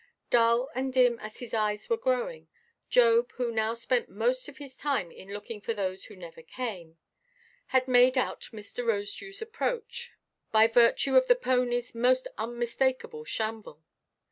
Dull and dim as his eyes were growing, Job, who now spent most of his time in looking for those who never came, had made out Mr. Rosedewʼs approach, by virtue of the ponyʼs most unmistakable shamble.